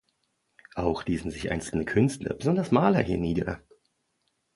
Auch ließen sich einzelne Künstler, besonders Maler, hier nieder.